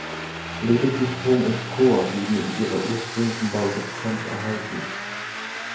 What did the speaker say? Lediglich Turm und Chor blieben in ihrer ursprünglichen Bausubstanz erhalten.